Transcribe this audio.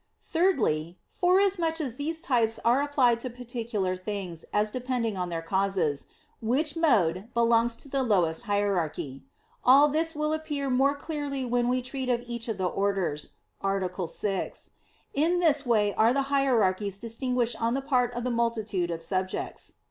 Thirdly, forasmuch as these types are applied to particular things as depending on their causes; which mode belongs to the lowest hierarchy. All this will appear more clearly when we treat of each of the orders (A. 6). In this way are the hierarchies distinguished on the part of the multitude of subjects.